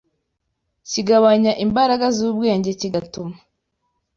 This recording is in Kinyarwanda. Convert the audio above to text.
kigabanya imbaraga z’ubwenge, kigatuma